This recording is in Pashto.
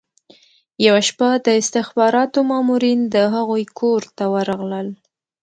یوه شپه د استخباراتو مامورین د هغوی کور ته ورغلل